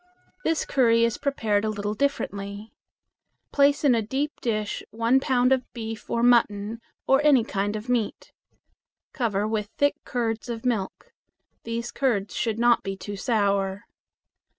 This curry is prepared a little differently. Place in a deep dish one pound of beef or mutton or any kind of meat. Cover with thick curds of milk. These curds should not be too sour.